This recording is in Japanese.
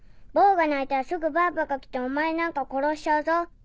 坊が泣いたらすぐバーバが来てお前なんか殺しちゃうぞ。